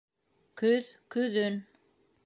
Көҙ, көҙөн